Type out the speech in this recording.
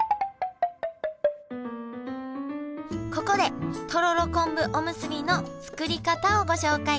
ここでとろろ昆布おむすびの作り方をご紹介。